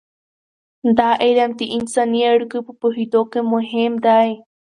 دا علم د انساني اړیکو په پوهیدو کې مهم دی.